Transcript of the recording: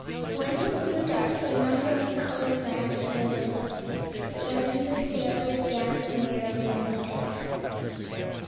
When it grew dark a number of colored lamps were lit, and the sailors danced merrily on the deck.